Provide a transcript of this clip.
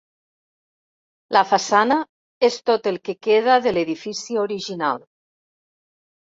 La façana és tot el que queda de l'edifici original.